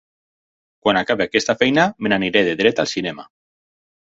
Quan acabi aquesta feina me n'aniré de dret al cinema.